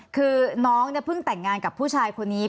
คือน้องเนี่ยเพิ่งแต่งงานกับผู้ชายคนนี้